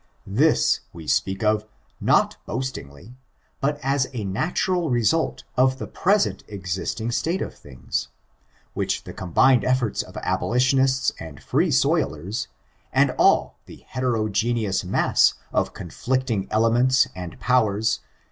This we speak of, not boastinglj, but as a natural result of the present existing state of things, which the combined efforts of abolitionists and free soilers, and all the hete rogeneous mass of conflicting elements and powers, i ' OR ABOLmOHISH.